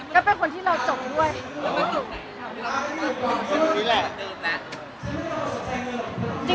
ก็เป็นคนที่เราจงด้วย